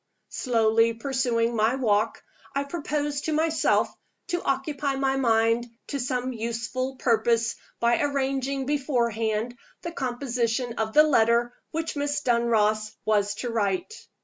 Slowly pursuing my walk, I proposed to myself to occupy my mind to some useful purpose by arranging beforehand the composition of the letter which Miss Dunross was to write.